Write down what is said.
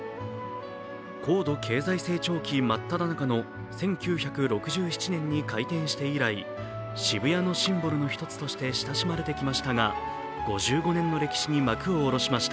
高度経済成長期真っただ中の１９６７年に開店して以来渋谷のシンボルの一つとして親しまれてきましたが５５年の歴史に幕を下ろしました。